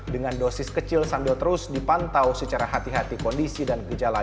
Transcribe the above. dengan dosis kecil sambil terus dipantau secara hati hati kondisi dan gejala